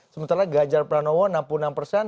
sementara ganjar pranowo enam puluh enam persen